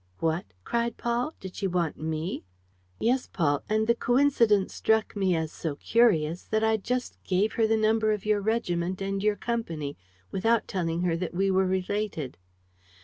'" "What!" cried Paul. "Did she want me?" "Yes, Paul, and the coincidence struck me as so curious that I just gave her the number of your regiment and your company, without telling her that we were related.